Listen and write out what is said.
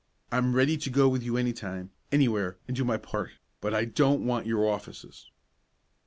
"I'm ready to go with you any time, anywhere, and do my part; but I don't want your offices."